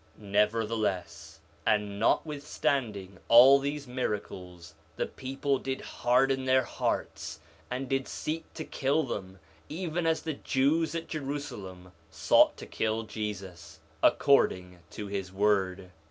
4 Nephi 1:31 Nevertheless, and notwithstanding all these miracles, the people did harden their hearts, and did seek to kill them, even as the Jews at Jerusalem sought to kill Jesus, according to his word.